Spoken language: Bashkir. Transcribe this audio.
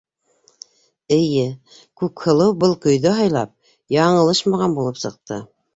Эйе, Күкһылыу был көйҙө һайлап яңылышмаған булып сыҡты.